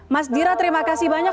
mas dira terima kasih banyak